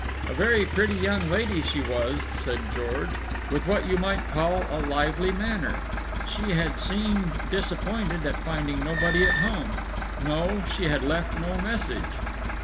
A very pretty young lady she was, said George, with what you might call a lively manner. She had seemed disappointed at finding nobody at home. No, she had left no message.